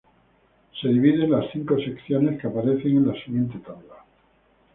Se divide en las cinco secciones que aparecen en la siguiente tabla.